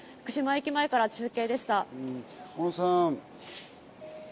福島駅前から中継でした。